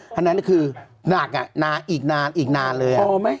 ฉะนั้นคือหลักน่าอีกนานเลย